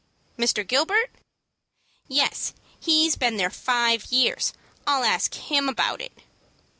"Mr. Gilbert?" "Yes; he has been there five years. I'll ask him about it."